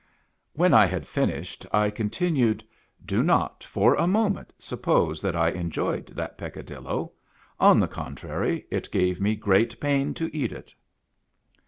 When I had finished, I continued, " Do not for a moment suppose that I enjoyed that Peccadillo. On the contrary, it gave me great pain to eat it."